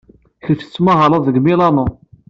Kečč tettmahaled deg Milano.